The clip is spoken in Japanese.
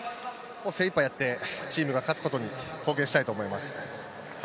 精いっぱいやってチームが勝つことに貢献したいと思います。